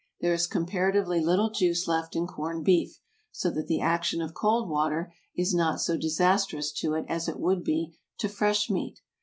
There is comparatively little juice left in corned beef, so that the action of cold water is not so disastrous to it as it would be to fresh meat.